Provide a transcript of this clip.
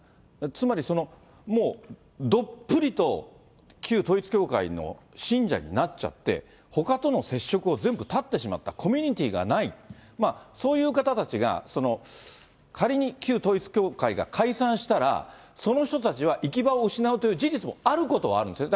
つまり、そのもう、どっぷりと旧統一教会の信者になっちゃって、ほかとの接触を全部絶ってしまった、コミュニティがない、そういう方たちが、仮に旧統一教会が解散したら、その人たちは行き場を失うという事実もあることはあるんですね。